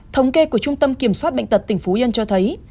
thống kê của trung tâm kiểm soát bệnh tật tỉnh phú yên cho thấy